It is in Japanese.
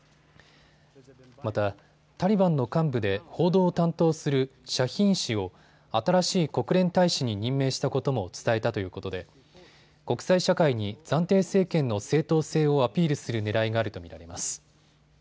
またタリバンの幹部で報道を担当するシャヒーン氏を新しい国連大使に任命したことも伝えたということで国際社会に暫定政権の正当性をアピールするねらいがあると見られます。